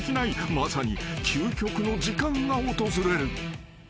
まさに究極の時間が訪れる］